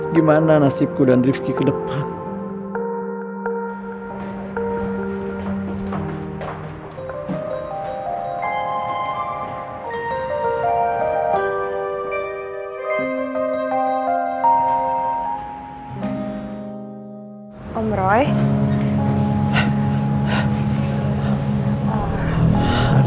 sekarang tidak ada lagi yang mau mempercaya aku untuk memulai bisnis baru